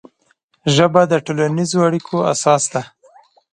ژبه د ټولنیزو اړیکو اساس ده